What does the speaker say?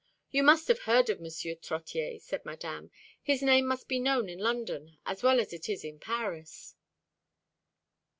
"You must have heard of M. Trottier," said Madame; "his name must be known in London as well as it is in Paris."